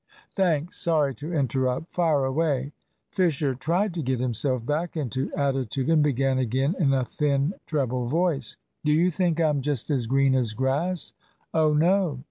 "Thanks sorry to interrupt. Fire away." Fisher tried to get himself back into attitude, and began again in a thin treble voice; Do you think I'm just as green as grass! Oh no!